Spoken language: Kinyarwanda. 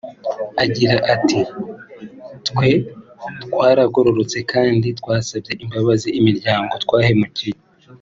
Agira ati “Twe twaragororotse kandi twasabye imbabazi imiryango twahemukiye